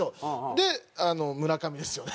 で村上ですよね。